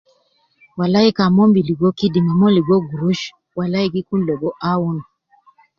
Walai kan mon bi ligo kidima mon ligo gurush walai gikun ligo aun